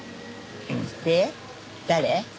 で誰？